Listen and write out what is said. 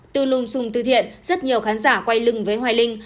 từ lùng xung tư thiện rất nhiều khán giả quay lưng với hoài linh